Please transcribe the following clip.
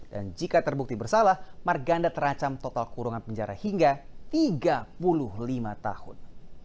dan jika terbukti bersalah marganda teracam total kurungan penjara hingga tiga puluh lima tahun